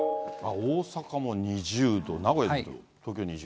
大阪も２０度、名古屋、東京、２０。